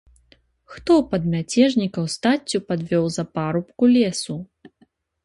Хто пад мяцежнікаў стаццю падвёў за парубку лесу?